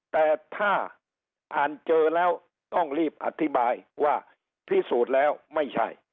แต่ถ้าอ่านเจอแล้วต้องรีบอธิบายว่าพิสูจน์แล้วไม่ใช่